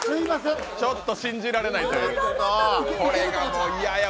ちょっと信じられないという。